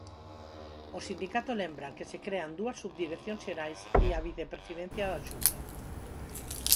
O sindicato lembra que se crean dúas subdireccións xerais e a Vicepresidencia da Xunta.